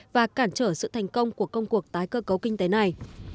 và cản trở sự thành công của công cuộc tái cơ cấu kinh tế này